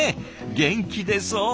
元気出そう！